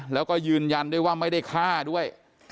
แล้วก็ยืนยันด้วยว่าไม่ได้ฆ่าด้วย